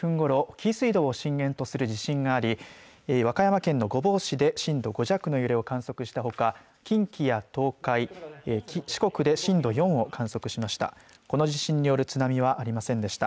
紀伊水道を震源とする地震があり和歌山県の御坊市で震度５弱の揺れを観測したほか近畿や東海、四国で震度４を観測しました。